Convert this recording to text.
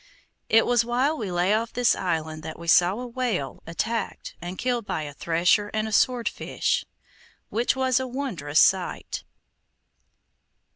It was while we lay off this island that we saw a whale attacked and killed by a thresher and a swordfish, which was a wondrous sight.